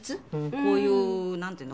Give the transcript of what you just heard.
こういうなんていうの？